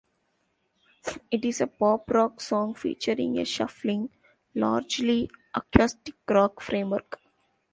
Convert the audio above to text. It is a pop rock song, featuring a shuffling, largely acoustic-rock framework.